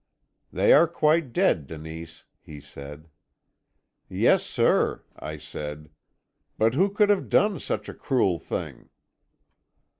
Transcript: "'They are quite dead, Denise,' he said. "'Yes, sir,' I said, 'but who could have done such a cruel thing?'